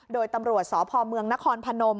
โดยตำรวจสพเมืองนครพนม